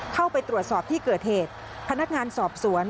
เข้าไปตรวจสอบที่เกิดเหตุพนักงานสอบสวน